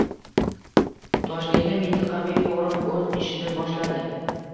Toshkentda mintaqaviy forum o‘z ishini boshladi